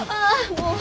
もう。